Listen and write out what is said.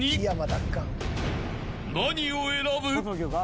［何を選ぶ？］